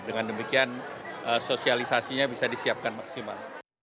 dengan demikian sosialisasinya bisa disiapkan maksimal